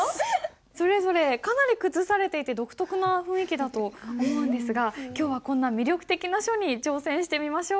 それぞれかなり崩されていて独特な雰囲気だと思うんですが今日はこんな魅力的な書に挑戦してみましょう。